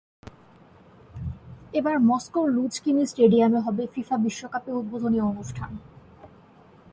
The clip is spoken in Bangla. এবার মস্কোর লুঝনিকি স্টেডিয়ামে হবে ফিফা বিশ্বকাপের উদ্বোধনী অনুষ্ঠান।